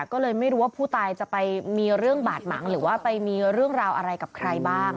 ก็เลยไม่รู้ว่าผู้ตายจะไปมีเรื่องบาดหมางหรือว่าไปมีเรื่องราวอะไรกับใครบ้าง